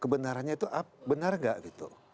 kebenarannya itu benar nggak gitu